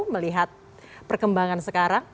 melihat perkembangan sekarang